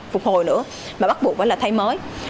phục hồi nữa mà bắt buộc phải là thay mới